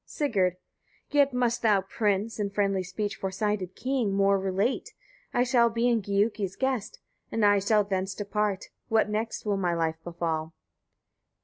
Sigurd. 14. Yet must thou, prince! in friendly speech, foresighted king! more relate. I shall be Giuki's guest, and I shall thence depart: what will next my life befall?